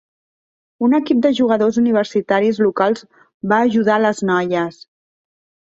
Un equip de jugadors universitaris locals va ajudar les noies.